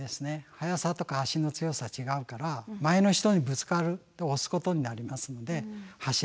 速さとか足の強さ違うから前の人にぶつかると押すことになりますので走らない。